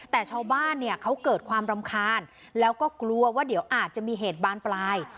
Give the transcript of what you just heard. แต่ชาวบ้านเนี่ยเขาเกิดความรำคาญแล้วก็กลัวว่าเดี๋ยวอาจจะมีเหตุบานปลาย